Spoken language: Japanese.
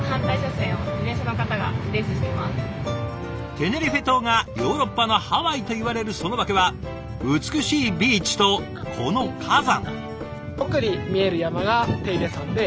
テネリフェ島がヨーロッパのハワイといわれるその訳は美しいビーチとこの火山。